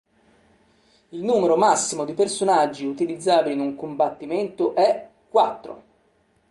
Il numero massimo di personaggi utilizzabili in un combattimento è quattro.